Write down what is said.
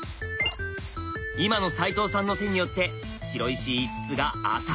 今の齋藤さんの手によって白石５つがアタリに。